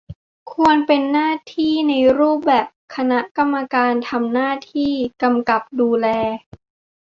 ควรเป็นหน้าที่ในรูปแบบคณะกรรมการ ทำหน้าที่กำกับดูแล